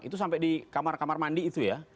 itu sampai di kamar kamar mandi itu ya